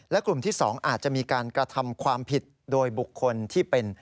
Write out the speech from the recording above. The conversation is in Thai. และกลุ่มที่๒อาจจะมีการกระทำความผิดโดยบุคคลที่เป็น